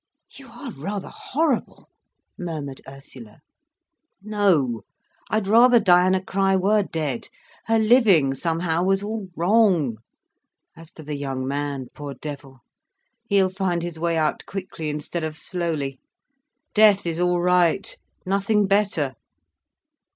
"You are rather horrible," murmured Ursula. "No! I'd rather Diana Crich were dead. Her living somehow, was all wrong. As for the young man, poor devil—he'll find his way out quickly instead of slowly. Death is all right—nothing better."